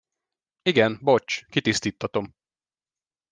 Igen, bocs, kitisztíttatom!